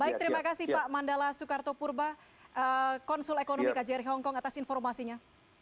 baik terima kasih pak mandala soekarto purba konsul ekonomi kjri hongkong atas informasinya